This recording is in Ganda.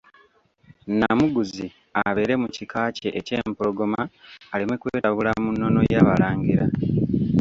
Nnamuguzi abeere mu kika kye eky'Empologoma aleme kwetabula mu nnono y'abalangira.